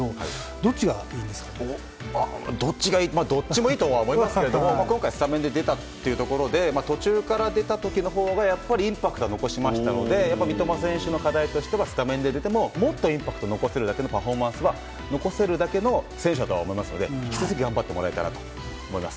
どっちがいいどっちもいいと思いますけれども今回はスタメンで出たというところで途中から出た時のほうがインパクトを残しましたので三笘選手の課題としてはスタメンで出ても、もっとインパクトを残せるだけのパフォーマンスを残せるだけの選手だと思いますので引き続き頑張ってもらいたいと思います。